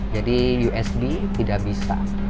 jadi usb tidak bisa